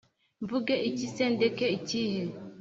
Mvuge iki se ndeke ikihe?